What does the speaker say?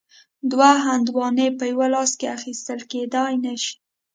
دوه هندواڼې یو لاس کې اخیستل کیدای نه شي.